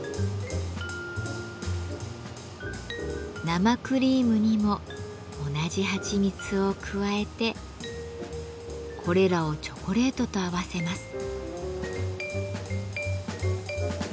生クリームにも同じはちみつを加えてこれらをチョコレートと合わせます。